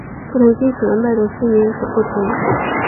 不同金属的脉动声也有所不同。